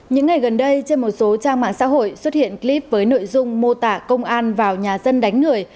những ngày gần đây trên một số trang mạng xã hội xuất hiện clip với nội dung mô tả công an vào nhà dân đánh người